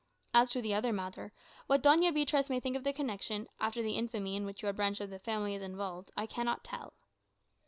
As to the other matter, what Doña Beatriz may think of the connection, after the infamy in which your branch of the family is involved, I cannot tell."